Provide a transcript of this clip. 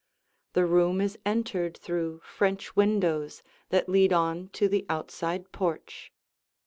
The room is entered through French windows that lead on to the outside porch.